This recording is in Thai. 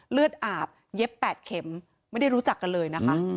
เลือดอาบเย็บ๘เข็มไม่ได้รู้จักกันเลยนะคะ